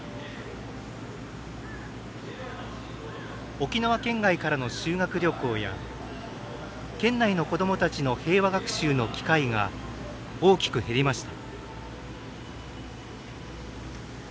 沖縄県外からの修学旅行や県内の子どもたちの平和学習の機会が大きく減りました。